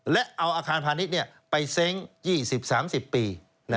และเอาอาคารพาณิชย์ไปเซ้ง๒๐๓๐ปี